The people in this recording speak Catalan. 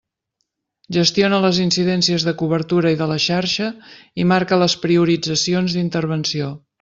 Gestiona les incidències de cobertura i de la xarxa i marca les prioritzacions d'intervenció.